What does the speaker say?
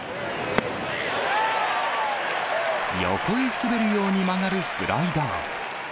横に滑るように曲がるスライダー。